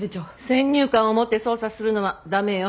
先入観を持って捜査するのは駄目よ。